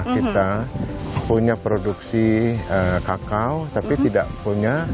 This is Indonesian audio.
kita punya produksi kakao tapi tidak punya